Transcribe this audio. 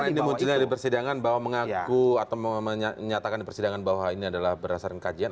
karena ini mungkin ada di persidangan bahwa mengaku atau menyatakan di persidangan bahwa ini adalah berdasarkan kajian